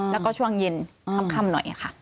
แล้วก็ช่วงเย็นค่ำหน่อยค่ะ